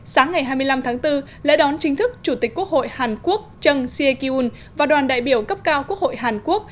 sáng ngày hai mươi năm tháng bốn lễ đón chính thức chủ tịch quốc hội hàn quốc trân siekyun và đoàn đại biểu cấp cao quốc hội hàn quốc